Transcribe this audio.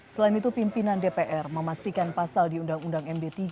selain itu pimpinan dpr memastikan pasal di undang undang md tiga